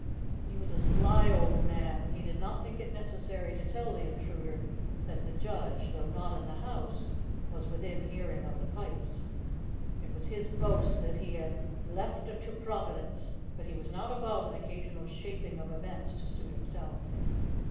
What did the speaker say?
He was a sly old man, and he did not think it necessary to tell the intruder that the judge, though not in the house, was within hearing of the pipes. It was his boast that he "left a' to Providence," but he was not above an occasional shaping of events to suit himself.